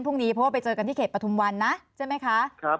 พรุ่งนี้เพราะว่าไปเจอกันที่เขตปฐุมวันนะใช่ไหมคะ